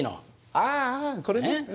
ああああこれね。